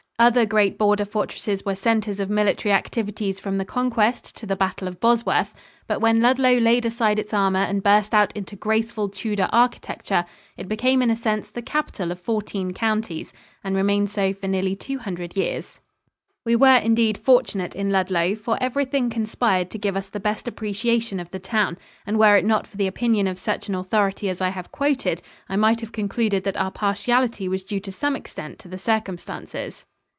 Other great border fortresses were centers of military activities from the Conquest to the Battle of Bosworth, but when Ludlow laid aside its armour and burst out into graceful Tudor architecture, it became in a sense the capital of fourteen counties, and remained so for nearly two hundred years." [Illustration: THE FEATHERS HOTEL, LUDLOW.] We were indeed fortunate in Ludlow, for everything conspired to give us the best appreciation of the town, and were it not for the opinion of such an authority as I have quoted, I might have concluded that our partiality was due to some extent to the circumstances.